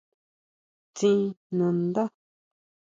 Tsín nandá.